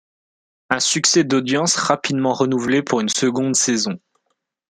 Un succès d'audiences, rapidement renouvelée pour une seconde saison.